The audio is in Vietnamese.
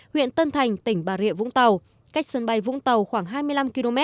huyện tân thành tỉnh bà rịa vũng tàu cách sân bay vũng tàu khoảng hai mươi năm km